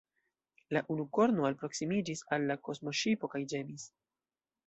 La unukorno alproskimiĝis al la kosmoŝipo kaj ĝemis.